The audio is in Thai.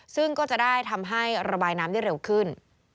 ซึ่งก็จะได้ทำให้ระบายน้ำได้เร็วขึ้น